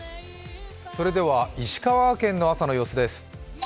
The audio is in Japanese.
それでは石川県の朝の様子です。